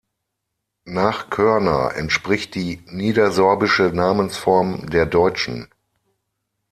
Nach Körner entspricht die niedersorbische Namensform der deutschen.